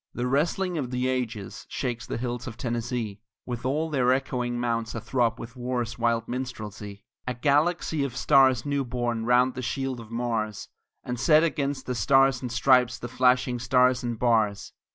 The wrestling of the ages shakes the hills of Tennessee, With all their echoing mounts a throb with war's wild minstrelsy; A galaxy of stars new born round the shield of Mars, And set against the Stars and Stripes the flashing Stars and Bars.